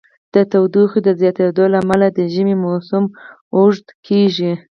د تودوخې د زیاتیدو له امله د ژمی موسم اوږد کیږي.